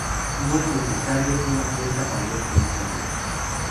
No es necesario una cuenta para ver películas gratis.